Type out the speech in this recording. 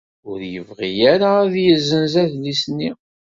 Ur yebɣi ara ad yezzenz adlis-nni.